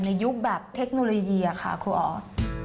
ยุคแบบเทคโนโลยีค่ะครูออส